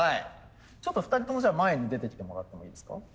ちょっと２人ともじゃあ前に出てきてもらってもいいですか。